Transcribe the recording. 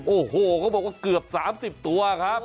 โอ้โหเขาบอกว่าเกือบ๓๐ตัวครับ